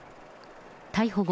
逮捕後、